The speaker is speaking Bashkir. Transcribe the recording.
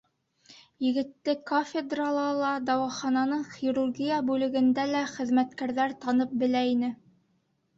Егетте кафедрала ла, дауахананың хирургия бүлегендә лә хеҙмәткәрҙәр танып белә ине.